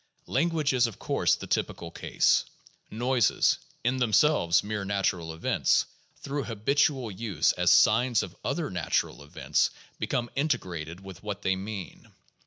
Language is, of course, the typical case. Noises, in themselves mere natural events, through habitual use as signs of other natural events become integrated with what they mean.